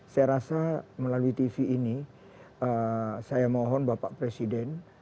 saya rasa melalui tv ini saya mohon bapak presiden